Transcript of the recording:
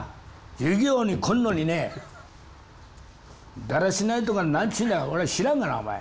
授業に来んのにねだらしないとかなんちゅうのは俺知らんがなお前。